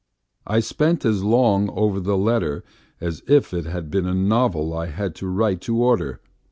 I spent as long over the letter as if it had been a novel I had to write to order.